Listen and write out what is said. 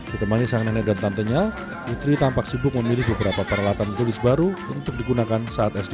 ditemani sang nenek dan tantenya putri tampak sibuk memilih beberapa peralatan tulis baru untuk digunakan saat sd